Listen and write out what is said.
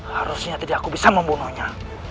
harusnya tidak aku bisa membunuhnya